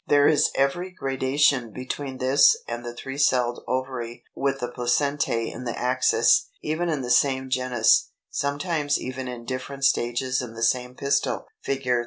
There is every gradation between this and the three celled ovary with the placentæ in the axis, even in the same genus, sometimes even in different stages in the same pistil (Fig.